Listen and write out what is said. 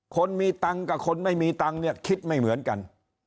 คนมีตังค์กับคนไม่มีตังค์เนี่ยคิดไม่เหมือนกัน